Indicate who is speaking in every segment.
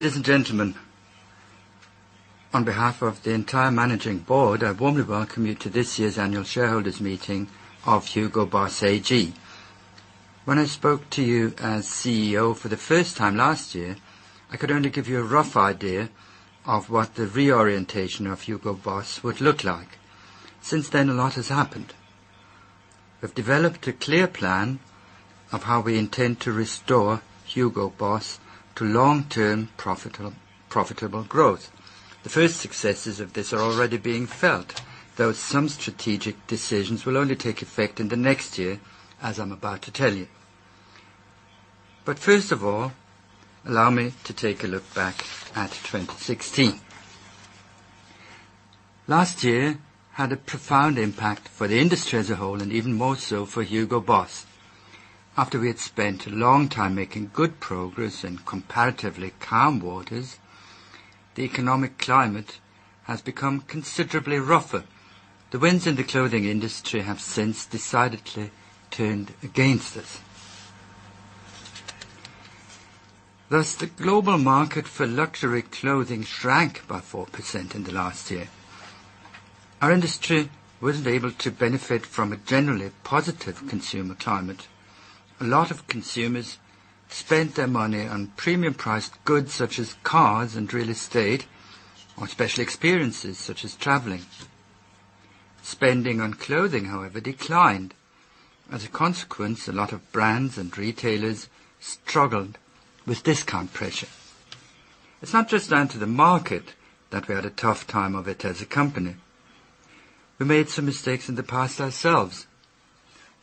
Speaker 1: Ladies and gentlemen, on behalf of the entire managing board, I warmly welcome you to this year's annual shareholders meeting of Hugo Boss AG. When I spoke to you as CEO for the first time last year, I could only give you a rough idea of what the reorientation of Hugo Boss would look like. Since then, a lot has happened. We've developed a clear plan of how we intend to restore Hugo Boss to long-term, profitable growth. The first successes of this are already being felt, though some strategic decisions will only take effect in the next year, as I'm about to tell you. First of all, allow me to take a look back at 2016. Last year had a profound impact for the industry as a whole, and even more so for Hugo Boss. After we had spent a long time making good progress in comparatively calm waters, the economic climate has become considerably rougher. The winds in the clothing industry have since decidedly turned against us. Thus, the global market for luxury clothing shrank by 4% in the last year. Our industry wasn't able to benefit from a generally positive consumer climate. A lot of consumers spent their money on premium-priced goods such as cars and real estate, or special experiences such as traveling. Spending on clothing, however, declined. As a consequence, a lot of brands and retailers struggled with discount pressure. It's not just down to the market that we had a tough time of it as a company. We made some mistakes in the past ourselves.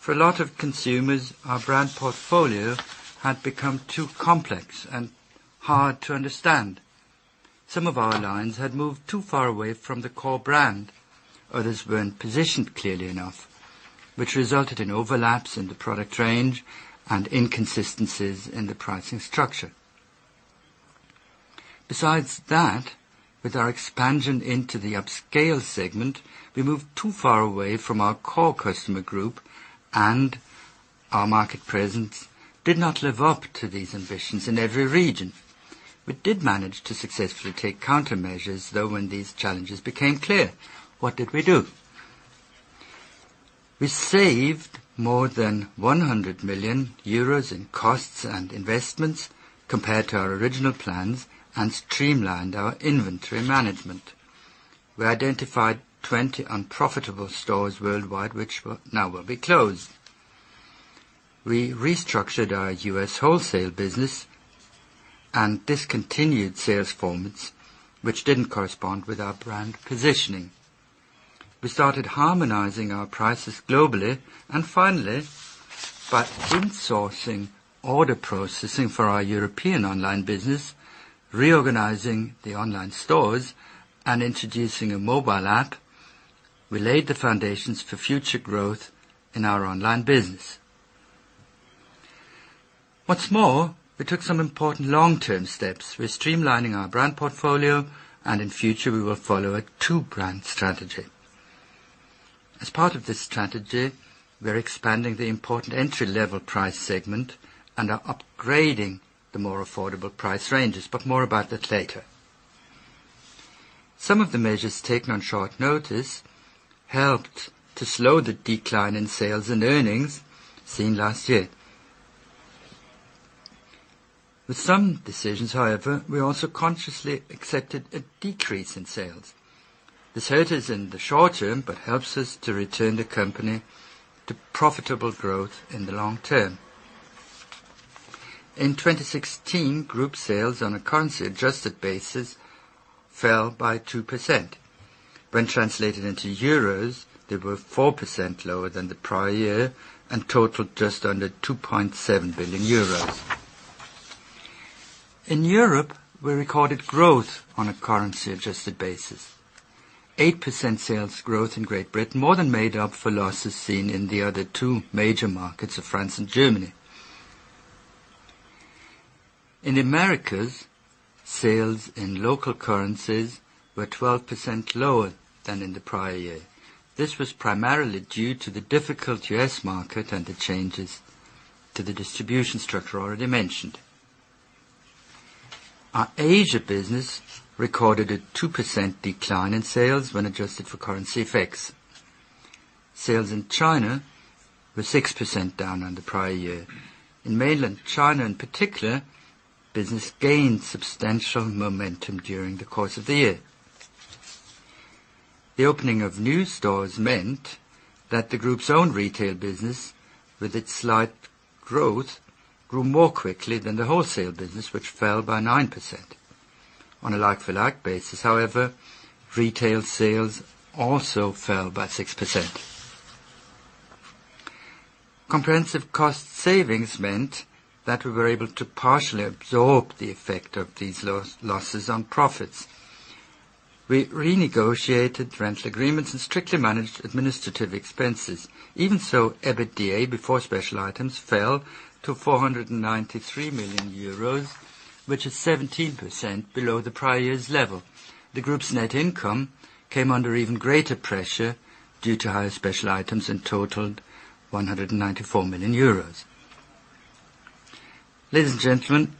Speaker 1: For a lot of consumers, our brand portfolio had become too complex and hard to understand. Some of our lines had moved too far away from the core brand. Others weren't positioned clearly enough, which resulted in overlaps in the product range and inconsistencies in the pricing structure. Besides that, with our expansion into the upscale segment, we moved too far away from our core customer group, and our market presence did not live up to these ambitions in every region. We did manage to successfully take countermeasures, though, when these challenges became clear. What did we do? We saved more than 100 million euros in costs and investments compared to our original plans and streamlined our inventory management. We identified 20 unprofitable stores worldwide, which now will be closed. We restructured our U.S. wholesale business and discontinued sales formats which didn't correspond with our brand positioning. We started harmonizing our prices globally, and finally, by insourcing order processing for our European online business, reorganizing the online stores, and introducing a mobile app, we laid the foundations for future growth in our online business. What's more, we took some important long-term steps. We're streamlining our brand portfolio, and in future, we will follow a two-brand strategy. As part of this strategy, we're expanding the important entry-level price segment and are upgrading the more affordable price ranges. More about that later. Some of the measures taken on short notice helped to slow the decline in sales and earnings seen last year. With some decisions, however, we also consciously accepted a decrease in sales. This hurt us in the short term but helps us to return the company to profitable growth in the long term. In 2016, group sales on a currency-adjusted basis fell by 2%. When translated into EUR, they were 4% lower than the prior year and totaled just under 2.7 billion euros. In Europe, we recorded growth on a currency-adjusted basis. 8% sales growth in Great Britain more than made up for losses seen in the other two major markets of France and Germany. In Americas, sales in local currencies were 12% lower than in the prior year. This was primarily due to the difficult U.S. market and the changes to the distribution structure already mentioned. Our Asia business recorded a 2% decline in sales when adjusted for currency effects. Sales in China were 6% down on the prior year. In mainland China, in particular, business gained substantial momentum during the course of the year. The opening of new stores meant that the group's own retail business, with its slight growth, grew more quickly than the wholesale business, which fell by 9%. On a like-for-like basis, however, retail sales also fell by 6%. Comprehensive cost savings meant that we were able to partially absorb the effect of these losses on profits. We renegotiated rental agreements and strictly managed administrative expenses. Even so, EBITDA before special items fell to 493 million euros, which is 17% below the prior year's level. The group's net income came under even greater pressure due to higher special items and totaled 194 million euros. Ladies and gentlemen,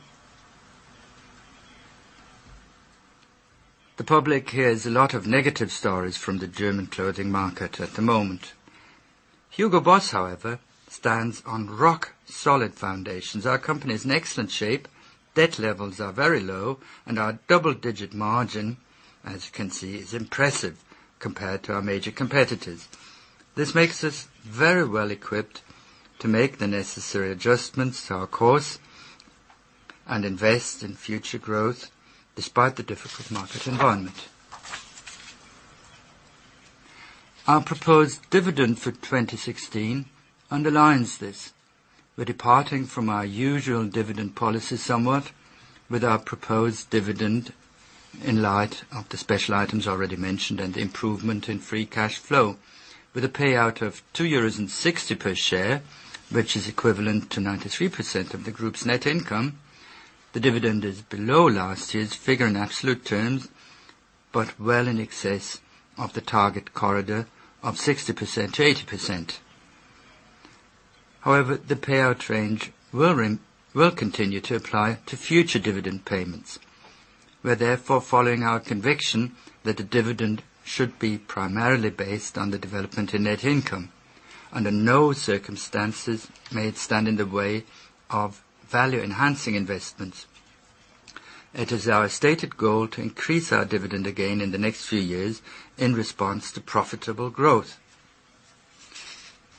Speaker 1: the public hears a lot of negative stories from the German clothing market at the moment. Hugo Boss, however, stands on rock-solid foundations. Our company is in excellent shape, debt levels are very low, and our double-digit margin, as you can see, is impressive compared to our major competitors. This makes us very well-equipped to make the necessary adjustments to our course and invest in future growth despite the difficult market environment. Our proposed dividend for 2016 underlines this. We're departing from our usual dividend policy somewhat with our proposed dividend in light of the special items already mentioned and the improvement in free cash flow. With a payout of 2.60 euros per share, which is equivalent to 93% of the group's net income, the dividend is below last year's figure in absolute terms, but well in excess of the target corridor of 60%-80%. The payout range will continue to apply to future dividend payments. We're therefore following our conviction that the dividend should be primarily based on the development in net income. Under no circumstances may it stand in the way of value-enhancing investments. It is our stated goal to increase our dividend again in the next few years in response to profitable growth.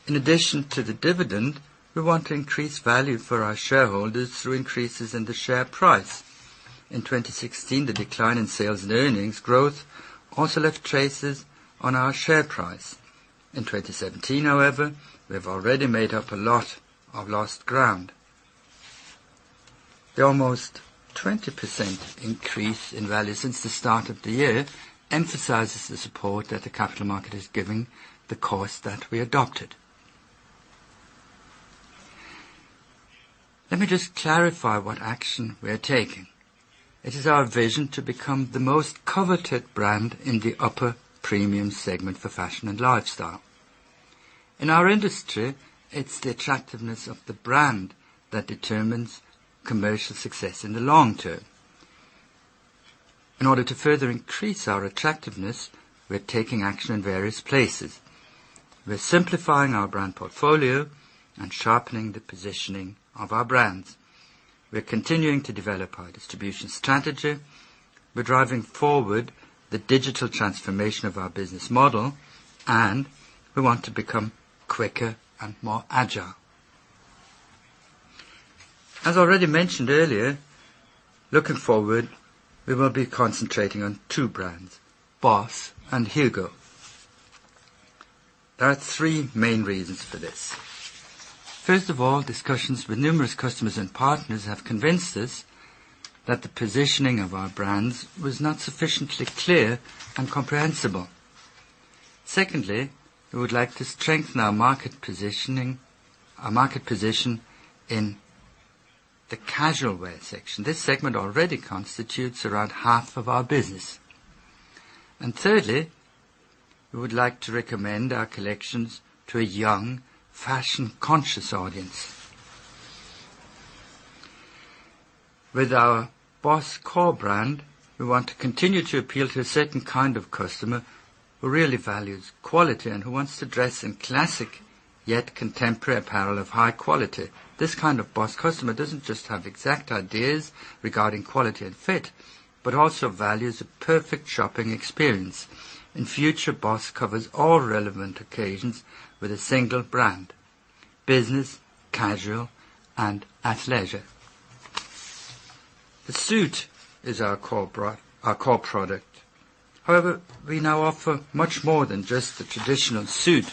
Speaker 1: In addition to the dividend, we want to increase value for our shareholders through increases in the share price. In 2016, the decline in sales and earnings growth also left traces on our share price. In 2017, however, we have already made up a lot of lost ground. The almost 20% increase in value since the start of the year emphasizes the support that the capital market is giving the course that we adopted. Let me just clarify what action we are taking. It is our vision to become the most coveted brand in the upper premium segment for fashion and lifestyle. In our industry, it's the attractiveness of the brand that determines commercial success in the long term. In order to further increase our attractiveness, we're taking action in various places. We're simplifying our brand portfolio and sharpening the positioning of our brands. We're continuing to develop our distribution strategy. We're driving forward the digital transformation of our business model, and we want to become quicker and more agile. As already mentioned earlier, looking forward, we will be concentrating on two brands, BOSS and HUGO. There are three main reasons for this. First of all, discussions with numerous customers and partners have convinced us that the positioning of our brands was not sufficiently clear and comprehensible. Secondly, we would like to strengthen our market position in the casualwear section. This segment already constitutes around half of our business. Thirdly, we would like to recommend our collections to a young, fashion-conscious audience. With our BOSS core brand, we want to continue to appeal to a certain kind of customer who really values quality and who wants to dress in classic, yet contemporary apparel of high quality. This kind of BOSS customer doesn't just have exact ideas regarding quality and fit, but also values a perfect shopping experience. In future, BOSS covers all relevant occasions with a single brand: business, casual, and athleisure. The suit is our core product. However, we now offer much more than just the traditional suit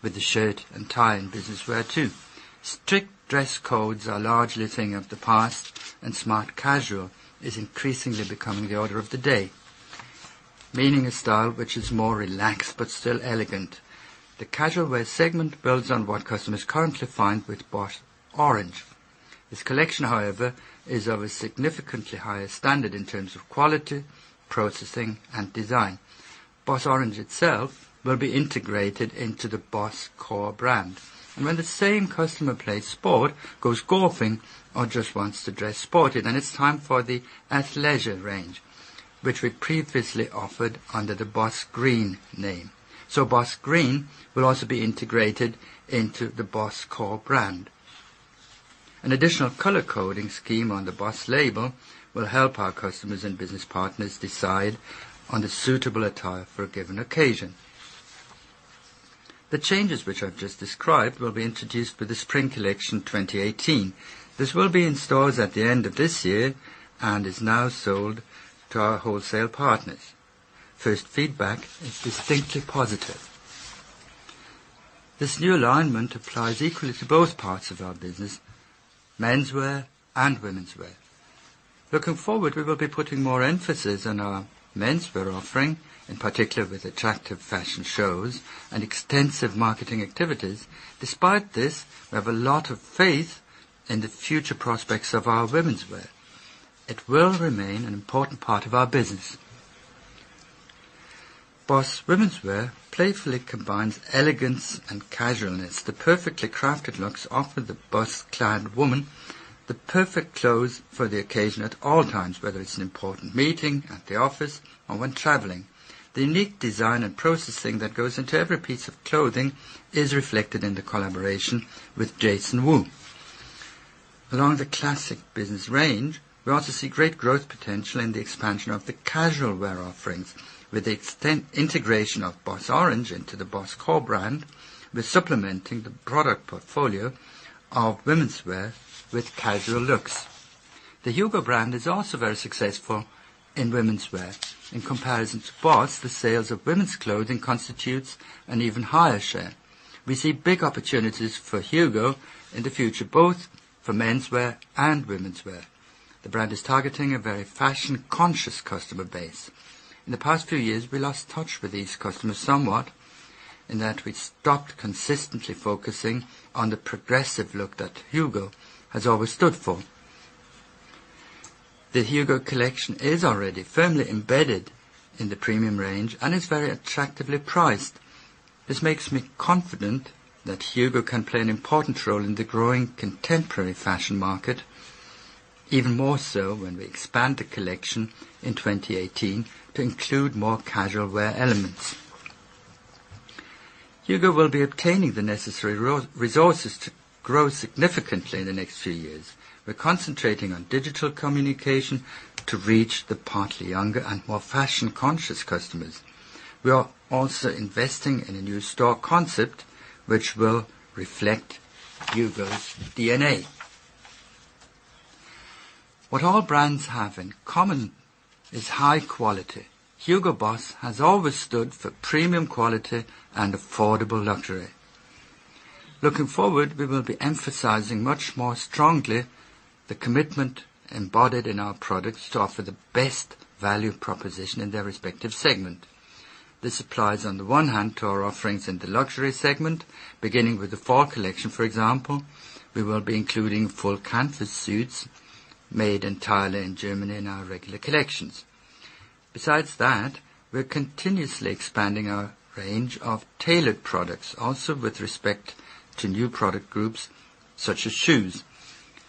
Speaker 1: with a shirt and tie and business wear, too. Strict dress codes are largely a thing of the past, and smart casual is increasingly becoming the order of the day, meaning a style which is more relaxed but still elegant. The casualwear segment builds on what customers currently find with BOSS Orange. This collection, however, is of a significantly higher standard in terms of quality, processing, and design. BOSS Orange itself will be integrated into the BOSS core brand. When the same customer plays sport, goes golfing, or just wants to dress sporty, then it's time for the athleisure range, which we previously offered under the BOSS Green name. BOSS Green will also be integrated into the BOSS core brand. An additional color-coding scheme on the BOSS label will help our customers and business partners decide on the suitable attire for a given occasion. The changes which I've just described will be introduced for the spring collection 2018. This will be in stores at the end of this year and is now sold to our wholesale partners. First feedback is distinctly positive. This new alignment applies equally to both parts of our business, menswear and womenswear. Looking forward, we will be putting more emphasis on our menswear offering, in particular with attractive fashion shows and extensive marketing activities. Despite this, we have a lot of faith in the future prospects of our womenswear. It will remain an important part of our business. BOSS womenswear playfully combines elegance and casualness. The perfectly crafted looks offer the BOSS client woman the perfect clothes for the occasion at all times, whether it's an important meeting at the office or when traveling. The unique design and processing that goes into every piece of clothing is reflected in the collaboration with Jason Wu. Along the classic business range, we also see great growth potential in the expansion of the casualwear offerings with the integration of BOSS Orange into the BOSS core brand. We're supplementing the product portfolio of womenswear with casual looks. The HUGO brand is also very successful in womenswear. In comparison to BOSS, the sales of women's clothing constitutes an even higher share. We see big opportunities for HUGO in the future, both for menswear and womenswear. The brand is targeting a very fashion-conscious customer base. In the past few years, we lost touch with these customers somewhat, in that we stopped consistently focusing on the progressive look that HUGO has always stood for. The HUGO collection is already firmly embedded in the premium range and is very attractively priced. This makes me confident that HUGO can play an important role in the growing contemporary fashion market, even more so when we expand the collection in 2018 to include more casual wear elements. HUGO will be obtaining the necessary resources to grow significantly in the next few years. We're concentrating on digital communication to reach the partly younger and more fashion-conscious customers. We are also investing in a new store concept which will reflect HUGO's DNA. What all brands have in common is high quality. Hugo Boss has always stood for premium quality and affordable luxury. Looking forward, we will be emphasizing much more strongly the commitment embodied in our products to offer the best value proposition in their respective segment. This applies on the one hand to our offerings in the luxury segment. Beginning with the fall collection, for example, we will be including full canvas suits made entirely in Germany in our regular collections. Besides that, we are continuously expanding our range of tailored products, also with respect to new product groups such as shoes.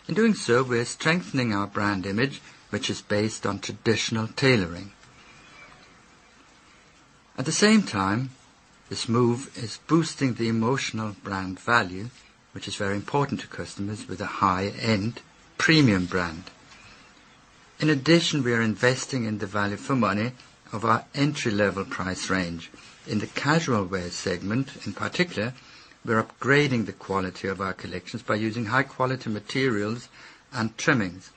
Speaker 1: In doing so, we are strengthening our brand image, which is based on traditional tailoring. At the same time, this move is boosting the emotional brand value, which is very important to customers with a high-end premium brand. In addition, we are investing in the value for money of our entry-level price range. In the casual wear segment, in particular, we are upgrading the quality of our collections by using high-quality materials and trimmings.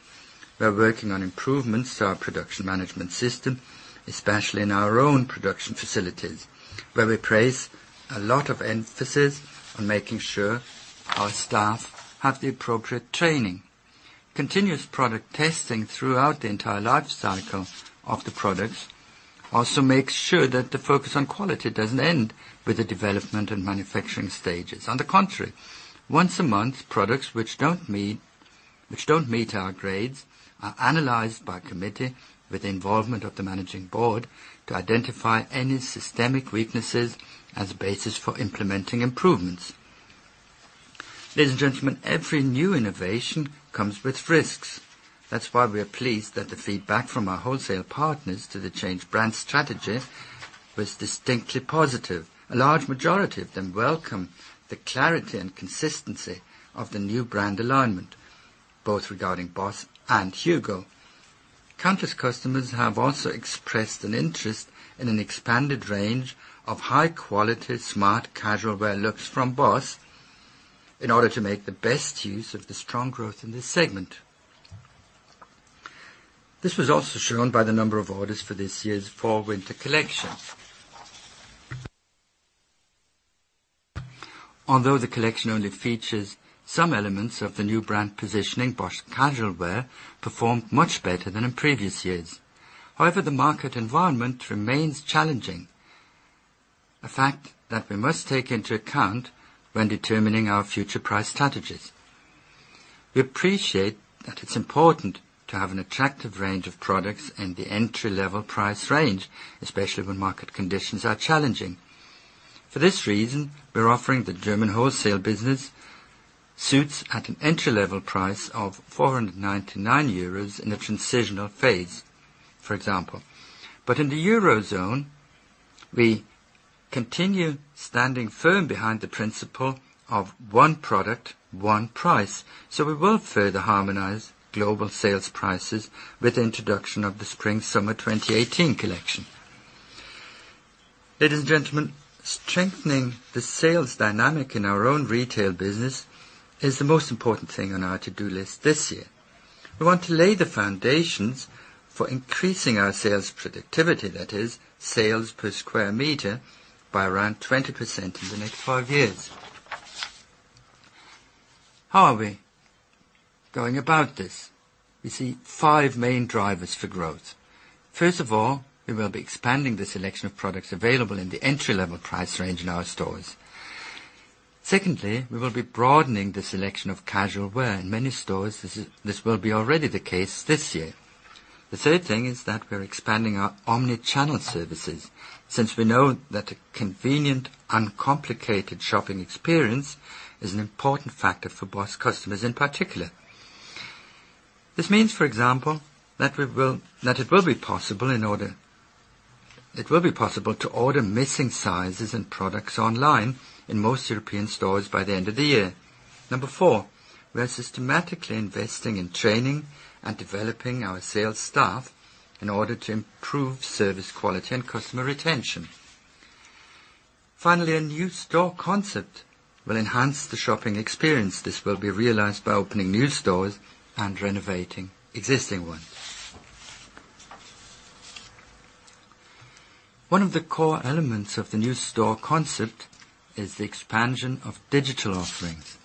Speaker 1: We are working on improvements to our production management system, especially in our own production facilities, where we place a lot of emphasis on making sure our staff have the appropriate training. Continuous product testing throughout the entire life cycle of the products also makes sure that the focus on quality doesn't end with the development and manufacturing stages. On the contrary, once a month, products which don't meet our grades are analyzed by committee with the involvement of the managing board to identify any systemic weaknesses as a basis for implementing improvements. Ladies and gentlemen, every new innovation comes with risks. That's why we are pleased that the feedback from our wholesale partners to the changed brand strategy was distinctly positive. A large majority of them welcome the clarity and consistency of the new brand alignment, both regarding BOSS and HUGO. Countless customers have also expressed an interest in an expanded range of high-quality, smart casual wear looks from BOSS in order to make the best use of the strong growth in this segment. This was also shown by the number of orders for this year's fall-winter collection. Although the collection only features some elements of the new brand positioning, BOSS casual wear performed much better than in previous years. The market environment remains challenging, a fact that we must take into account when determining our future price strategies. We appreciate that it's important to have an attractive range of products in the entry-level price range, especially when market conditions are challenging. For this reason, we're offering the German wholesale business suits at an entry-level price of 499 euros in a transitional phase, for example. In the Eurozone, we continue standing firm behind the principle of one product, one price. We will further harmonize global sales prices with the introduction of the spring-summer 2018 collection. Ladies and gentlemen, strengthening the sales dynamic in our own retail business is the most important thing on our to-do list this year. We want to lay the foundations for increasing our sales productivity, that is, sales per square meter, by around 20% in the next five years. How are we going about this? We see five main drivers for growth. First of all, we will be expanding the selection of products available in the entry-level price range in our stores. Secondly, we will be broadening the selection of casual wear. In many stores, this will be already the case this year. The third thing is that we're expanding our omnichannel services, since we know that a convenient, uncomplicated shopping experience is an important factor for BOSS customers in particular. This means, for example, that it will be possible to order missing sizes and products online in most European stores by the end of the year. Number 4, we are systematically investing in training and developing our sales staff in order to improve service quality and customer retention. Finally, a new store concept will enhance the shopping experience. This will be realized by opening new stores and renovating existing ones. One of the core elements of the new store concept is the expansion of digital offerings.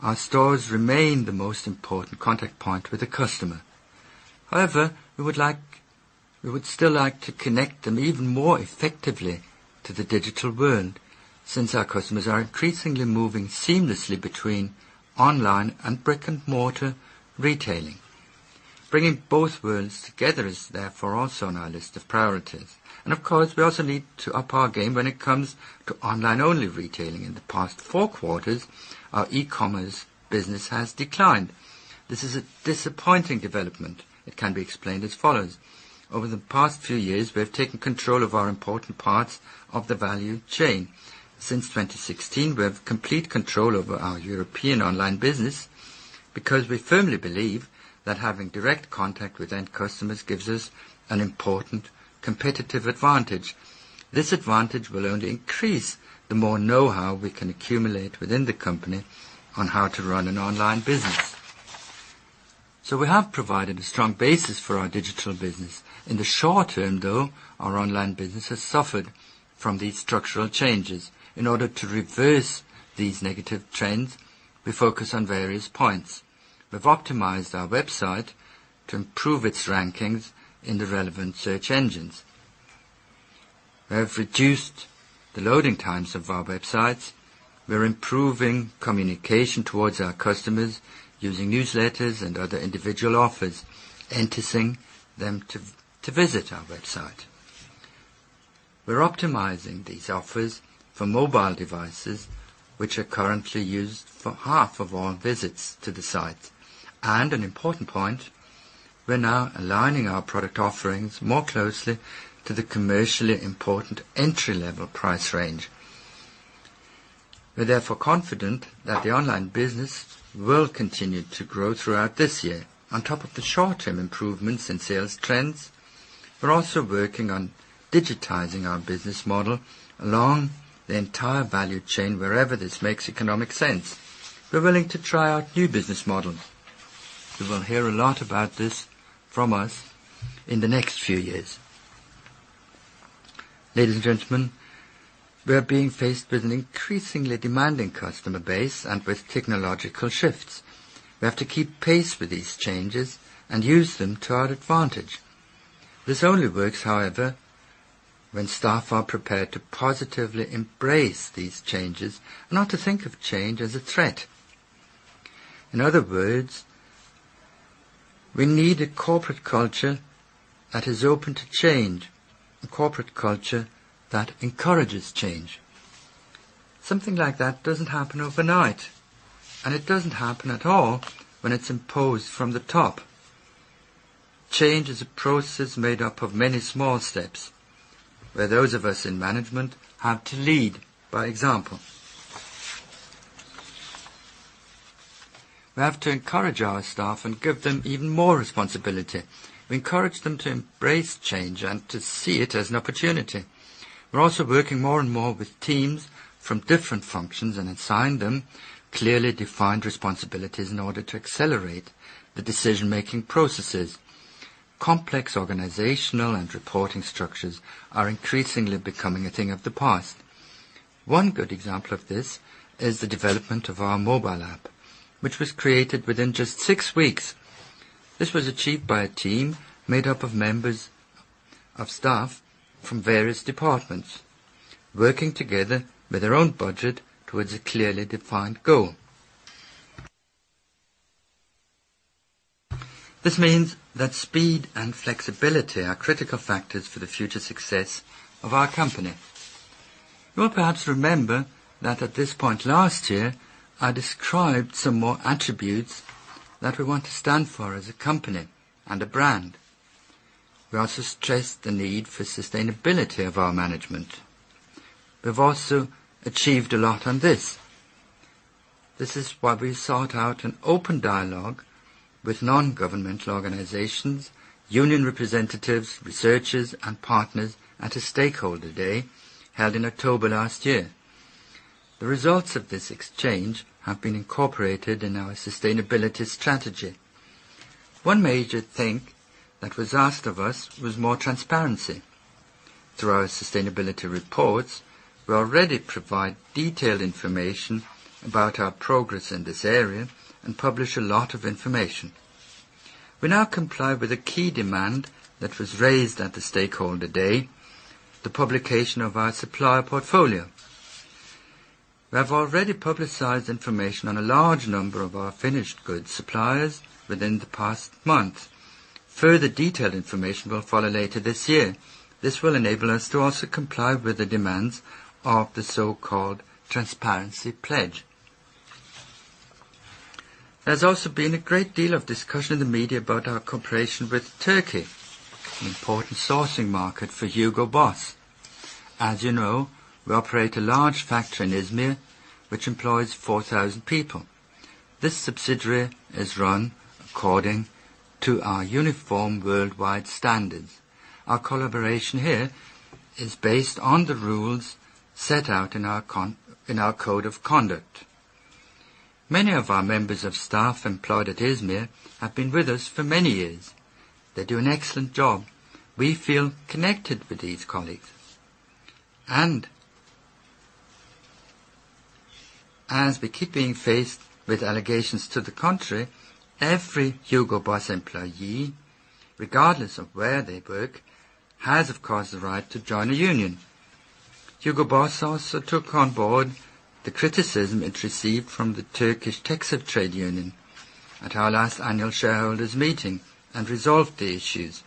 Speaker 1: Our stores remain the most important contact point with the customer. However, we would still like to connect them even more effectively to the digital world, since our customers are increasingly moving seamlessly between online and brick-and-mortar retailing. Bringing both worlds together is therefore also on our list of priorities. Of course, we also need to up our game when it comes to online-only retailing. In the past four quarters, our e-commerce business has declined. This is a disappointing development. It can be explained as follows. Over the past few years, we have taken control of our important parts of the value chain. Since 2016, we have complete control over our European online business because we firmly believe that having direct contact with end customers gives us an important competitive advantage. This advantage will only increase the more know-how we can accumulate within the company on how to run an online business. We have provided a strong basis for our digital business. In the short term, though, our online business has suffered from these structural changes. In order to reverse these negative trends, we focus on various points. We've optimized our website to improve its rankings in the relevant search engines. We have reduced the loading times of our websites. We're improving communication towards our customers using newsletters and other individual offers, enticing them to visit our website. We're optimizing these offers for mobile devices, which are currently used for half of all visits to the site. An important point, we're now aligning our product offerings more closely to the commercially important entry-level price range. We're therefore confident that the online business will continue to grow throughout this year. On top of the short-term improvements in sales trends, we're also working on digitizing our business model along the entire value chain wherever this makes economic sense. We're willing to try out new business models. You will hear a lot about this from us in the next few years. Ladies and gentlemen, we are being faced with an increasingly demanding customer base and with technological shifts. We have to keep pace with these changes and use them to our advantage. This only works, however, when staff are prepared to positively embrace these changes and not to think of change as a threat. In other words, we need a corporate culture that is open to change, a corporate culture that encourages change. Something like that doesn't happen overnight, it doesn't happen at all when it's imposed from the top. Change is a process made up of many small steps, where those of us in management have to lead by example. We have to encourage our staff and give them even more responsibility. We encourage them to embrace change and to see it as an opportunity. We're also working more and more with teams from different functions and assign them clearly defined responsibilities in order to accelerate the decision-making processes. Complex organizational and reporting structures are increasingly becoming a thing of the past. One good example of this is the development of our mobile app, which was created within just six weeks. This was achieved by a team made up of members of staff from various departments, working together with their own budget towards a clearly defined goal. This means that speed and flexibility are critical factors for the future success of our company. You will perhaps remember that at this point last year, I described some more attributes that we want to stand for as a company and a brand. We also stressed the need for sustainability of our management. We've also achieved a lot on this. This is why we sought out an open dialogue with non-governmental organizations, union representatives, researchers, and partners at a stakeholder day held in October last year. The results of this exchange have been incorporated in our sustainability strategy. One major thing that was asked of us was more transparency. Through our sustainability reports, we already provide detailed information about our progress in this area and publish a lot of information. We now comply with a key demand that was raised at the stakeholder day, the publication of our supplier portfolio. We have already publicized information on a large number of our finished goods suppliers within the past month. Further detailed information will follow later this year. This will enable us to also comply with the demands of the so-called Transparency Pledge. There's also been a great deal of discussion in the media about our cooperation with Turkey, an important sourcing market for Hugo Boss. As you know, we operate a large factory in Izmir, which employs 4,000 people. This subsidiary is run according to our uniform worldwide standards. Our collaboration here is based on the rules set out in our Code of Conduct. Many of our members of staff employed at Izmir have been with us for many years. They do an excellent job. We feel connected with these colleagues. As we keep being faced with allegations to the contrary, every Hugo Boss employee, regardless of where they work, has, of course, the right to join a union. Hugo Boss also took on board the criticism it received from the Turkish TEKSIF trade union at our last annual shareholders meeting and resolved the issues.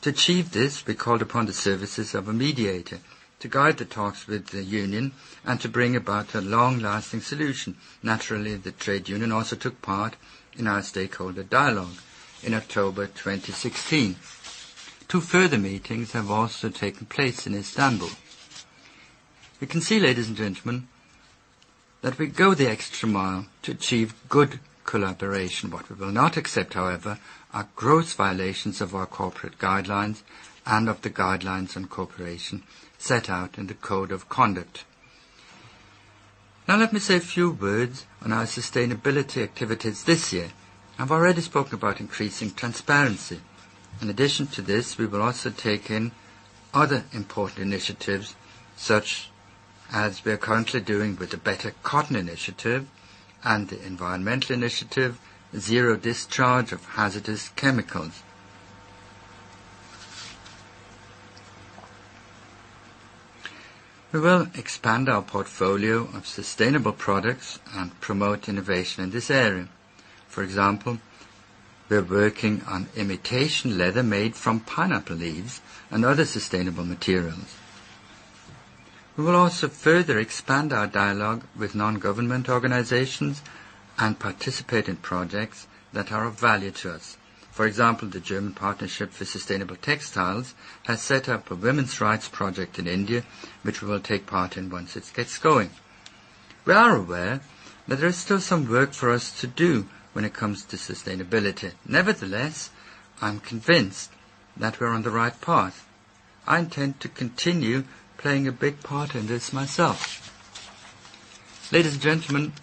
Speaker 1: To achieve this, we called upon the services of a mediator to guide the talks with the union and to bring about a long-lasting solution. Naturally, the trade union also took part in our stakeholder dialogue in October 2016. Two further meetings have also taken place in Istanbul. You can see, ladies and gentlemen, that we go the extra mile to achieve good collaboration. What we will not accept, however, are gross violations of our corporate guidelines and of the guidelines and cooperation set out in the Code of Conduct. Let me say a few words on our sustainability activities this year. I've already spoken about increasing transparency. In addition to this, we will also take in other important initiatives, such as we are currently doing with the Better Cotton Initiative and the environmental initiative, Zero Discharge of Hazardous Chemicals. We will expand our portfolio of sustainable products and promote innovation in this area. For example, we are working on imitation leather made from pineapple leaves and other sustainable materials. We will also further expand our dialogue with non-government organizations and participate in projects that are of value to us. For example, the German Partnership for Sustainable Textiles has set up a women's rights project in India, which we will take part in once it gets going. We are aware that there is still some work for us to do when it comes to sustainability. Nevertheless, I'm convinced that we're on the right path. I intend to continue playing a big part in this myself. Ladies and gentlemen,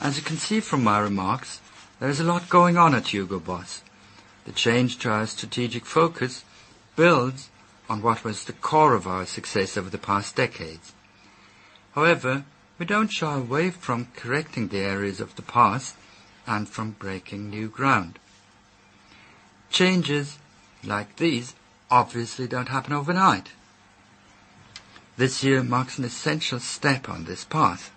Speaker 1: as you can see from my remarks, there is a lot going on at Hugo Boss. The change to our strategic focus builds on what was the core of our success over the past decades. However, we don't shy away from correcting the areas of the past and from breaking new ground. Changes like these obviously don't happen overnight. This year marks an essential step on this path.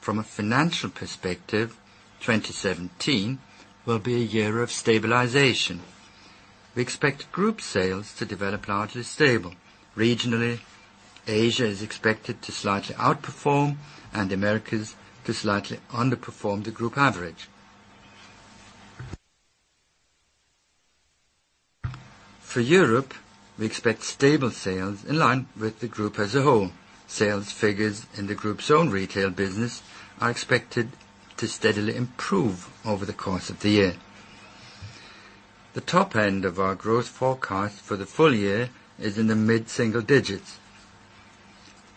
Speaker 1: From a financial perspective, 2017 will be a year of stabilization. We expect group sales to develop largely stable. Regionally, Asia is expected to slightly outperform and Americas to slightly underperform the group average. For Europe, we expect stable sales in line with the group as a whole. Sales figures in the group's own retail business are expected to steadily improve over the course of the year. The top end of our growth forecast for the full year is in the mid-single digits.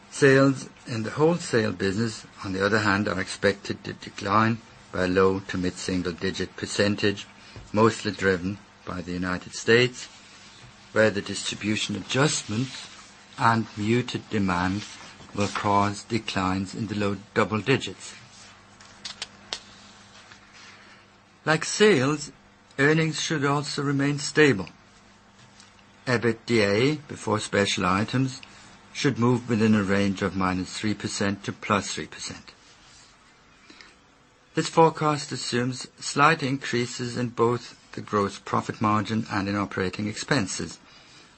Speaker 1: Sales in the wholesale business, on the other hand, are expected to decline by a low to mid-single-digit percentage, mostly driven by the United States, where the distribution adjustments and muted demand will cause declines in the low double digits. Like sales, earnings should also remain stable. EBITDA before special items should move within a range of -3% to +3%. This forecast assumes slight increases in both the gross profit margin and in operating expenses.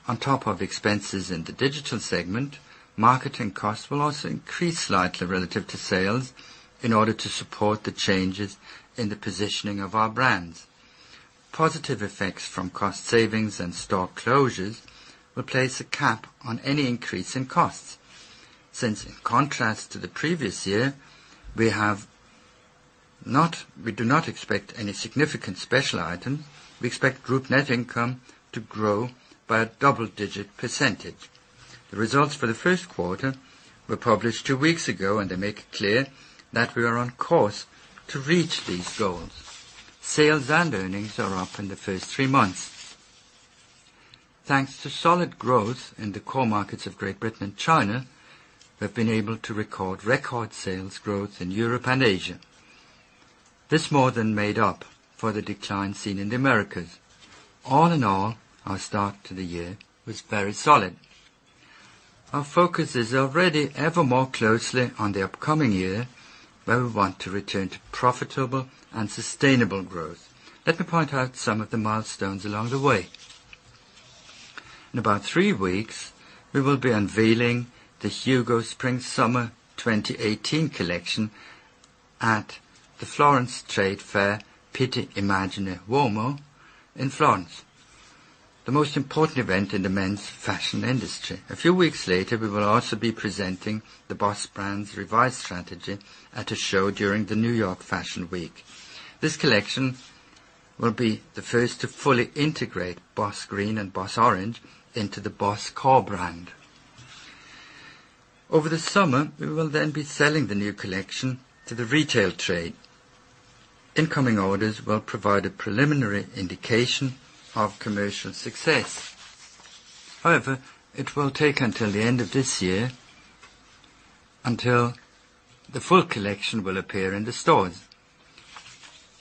Speaker 1: On top of expenses in the digital segment, marketing costs will also increase slightly relative to sales in order to support the changes in the positioning of our brands. Positive effects from cost savings and store closures will place a cap on any increase in costs. Since in contrast to the previous year, we do not expect any significant special items, we expect group net income to grow by a double-digit percentage. The results for the first quarter were published two weeks ago, and they make it clear that we are on course to reach these goals. Sales and earnings are up in the first three months. Thanks to solid growth in the core markets of Great Britain and China, we have been able to record record sales growth in Europe and Asia. This more than made up for the decline seen in the Americas. All in all, our start to the year was very solid. Our focus is already ever more closely on the upcoming year, where we want to return to profitable and sustainable growth. Let me point out some of the milestones along the way. In about three weeks, we will be unveiling the HUGO Spring Summer 2018 collection at the Florence Trade Fair, Pitti Immagine Uomo in Florence, the most important event in the men's fashion industry. A few weeks later, we will also be presenting the BOSS brand's revised strategy at a show during the New York Fashion Week. This collection will be the first to fully integrate BOSS Green and BOSS Orange into the BOSS core brand. Over the summer, we will be selling the new collection to the retail trade. Incoming orders will provide a preliminary indication of commercial success. It will take until the end of this year until the full collection will appear in the stores.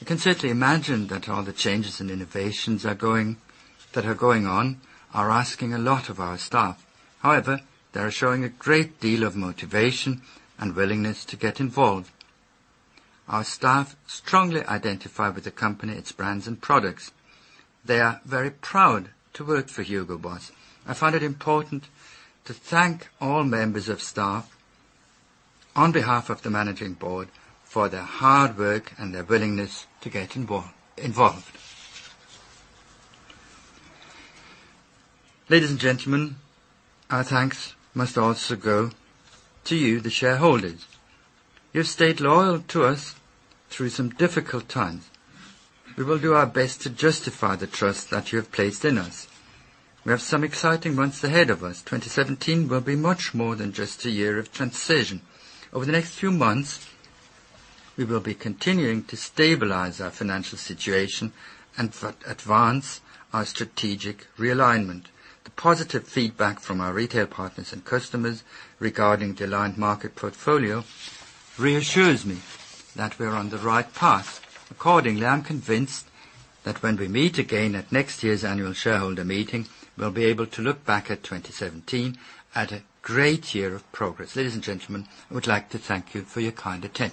Speaker 1: You can certainly imagine that all the changes and innovations that are going on are asking a lot of our staff. They are showing a great deal of motivation and willingness to get involved. Our staff strongly identify with the company, its brands, and products. They are very proud to work for Hugo Boss. I find it important to thank all members of staff on behalf of the managing board for their hard work and their willingness to get involved. Ladies and gentlemen, our thanks must also go to you, the shareholders. You've stayed loyal to us through some difficult times. We will do our best to justify the trust that you have placed in us. We have some exciting months ahead of us. 2017 will be much more than just a year of transition. Over the next few months, we will be continuing to stabilize our financial situation and advance our strategic realignment. The positive feedback from our retail partners and customers regarding the aligned market portfolio reassures me that we are on the right path. I am convinced that when we meet again at next year's annual shareholder meeting, we'll be able to look back at 2017 at a great year of progress. Ladies and gentlemen, I would like to thank you for your kind attention.